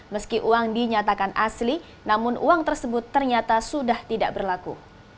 meski uang dinyatakan asli namun uang tersebut ternyata sudah tidak berlaku